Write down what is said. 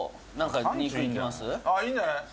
いいんじゃない？